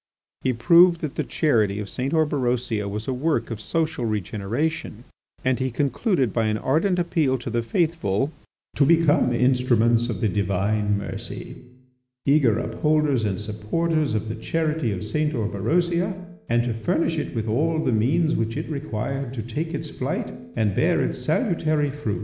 He proved that the charity of St. Orberosia was a work of social regeneration, and he concluded by an ardent appeal to the faithful "to become instruments of the Divine mercy, eager upholders and supporters of the charity of St. Orberosia, and to furnish it with all the means which it required to take its flight and bear its salutary fruits."